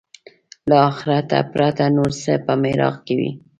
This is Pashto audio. له آخرته پرته نور څه په محراق کې وي.